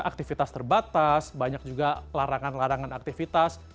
aktivitas terbatas banyak juga larangan larangan aktivitas